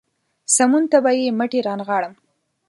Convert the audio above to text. سمون ته به يې مټې رانغاړم.